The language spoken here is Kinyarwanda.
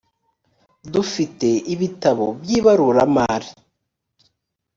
dufite ibitabo byibaruramari .